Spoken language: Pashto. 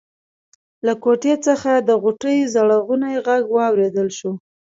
له کوټې څخه د غوټۍ ژړغونی غږ واورېدل شو.